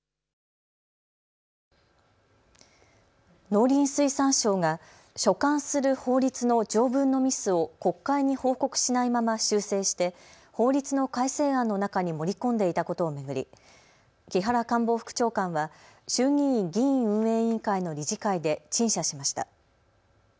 農林水産省が所管する法律の条文のミスを国会に報告しないまま修正して法律の改正案の中に盛り込んでいたことを巡り、木原官房副長官は衆議院議院運営委員会の理事会で陳謝しました。